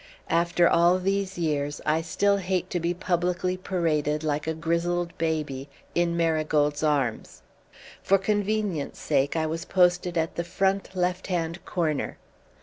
After all these years, I still hate to be publicly paraded, like a grizzled baby, in Marigold's arms. For convenience' sake I was posted at the front left hand corner.